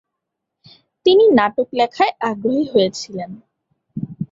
তিনি নাটক লেখায় আগ্রহী হয়েছিলেন।